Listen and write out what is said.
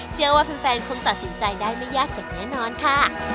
เชื่อว่าแฟนคงตัดสินใจได้ไม่ยากอย่างแน่นอนค่ะ